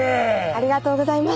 ありがとうございます。